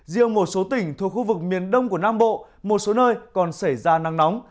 riêng một số tỉnh thuộc khu vực miền đông của nam bộ một số nơi còn xảy ra nắng nóng